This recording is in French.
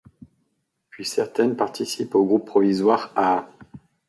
Puis certaines participent aux groupes provisoires Aa!